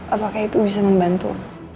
apakah itu bisa membantu